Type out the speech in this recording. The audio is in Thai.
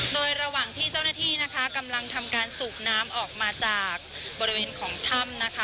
โดยระหว่างที่เจ้าหน้าที่นะคะกำลังทำการสูบน้ำออกมาจากบริเวณของถ้ำนะคะ